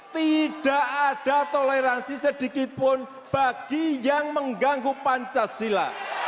tidak ada toleransi sedikitpun bagi yang mengganggu pancasila